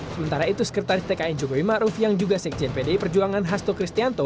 sementara itu sekretaris tkn jokowi maruf yang juga sekjen pd perjuangan hasto kristianto